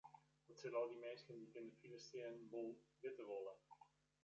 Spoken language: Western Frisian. Dat sille al dy minsken dy't yn de file stean wol witte wolle.